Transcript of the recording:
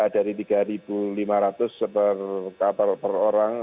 dari tiga lima ratus per kapal per orang